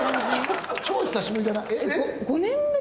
「超久しぶりじゃない？」。